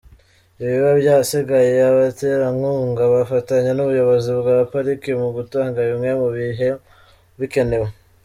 Ibiba byasigaye abaterankunga bafatanya n’ubuyobozi bwa Pariki mu gutanga bimwe mu biba bikenewe.